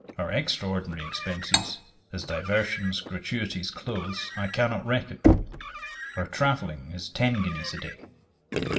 Our extraordinary expences, as diversions, gratuities, clothes, I cannot reckon. Our travelling is ten guineas a day.